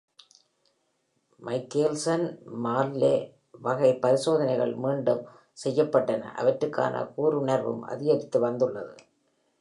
Michelson-Morley வகை பரிசோதனைகள் மீண்டும் செய்யப்பட்டன, அவற்றுக்கான கூருணர்வும் அதிகரித்து வந்துள்ளது.